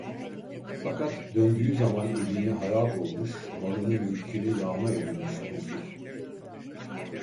Fakat döndüğü zaman evini harap olmuş, malını mülkünü yağma edilmiş buldu.